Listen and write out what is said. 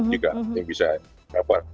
juga yang bisa cover